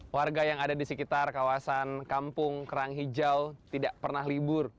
warga yang ada di sekitar kawasan kampung kerang hijau tidak pernah libur